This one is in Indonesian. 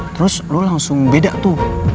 terus lo langsung beda tuh